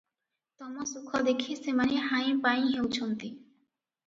ତମ ସୁଖ ଦେଖି ସେମାନେ ହାଇଁପାଇଁ ହେଉଛନ୍ତି ।